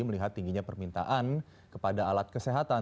melihat tingginya permintaan kepada alat kesehatan